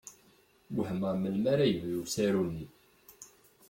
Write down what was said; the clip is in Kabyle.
Wehmeɣ melmi ara yebdu usaru-nni.